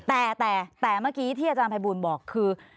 แต่แต่เมื่อกี้ที่อาจารย์ภัยบูลบอกคือ